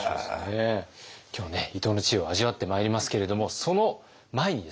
今日はね伊藤の知恵を味わってまいりますけれどもその前にですね